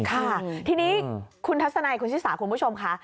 ค่ะทีนี้คุณทัศนัยคุณชิสาคุณผู้ชมค่ะ